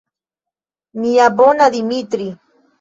Mia bona Dimitri!